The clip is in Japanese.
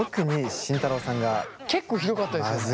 結構ひどかったですよね。